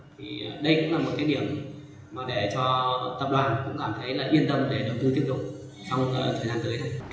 thì đây cũng là một cái điểm mà để cho tập đoàn cũng cảm thấy là yên tâm để đầu tư tiếp tục